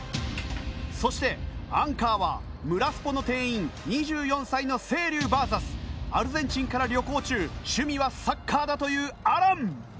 そしてアンカーはムラスポの店員２４歳の成龍ＶＳアルゼンチンから旅行中趣味はサッカーだというアラン。